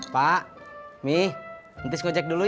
pak mih ntis ngejek dulu ya